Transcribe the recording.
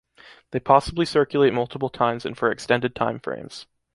They possibly circulate multiple times and for extended timeframes.